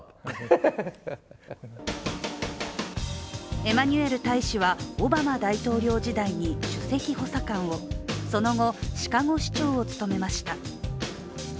エマニュエル大使はオバマ大統領時代に首席補佐官をその後、シカゴ市長を務めました。